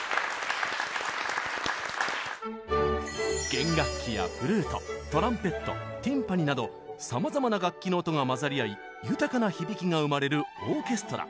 弦楽器やフルートトランペットティンパニーなどさまざまな楽器の音が混ざり合い豊かな響きが生まれるオーケストラ。